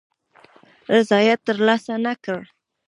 رضاییت تر لاسه نه کړ.